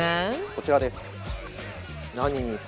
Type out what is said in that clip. こちらです。